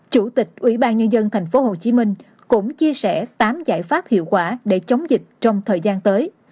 chủ tịch ubnd tp hcm cũng chia sẻ tám giải pháp hiệu quả để chống dịch trong thời gian tới